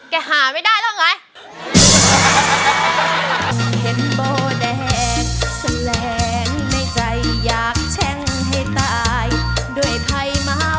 หาไม่ได้แล้วไง